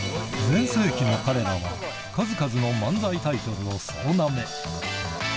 全盛期の彼らは、数々の漫才タイトルを総なめ。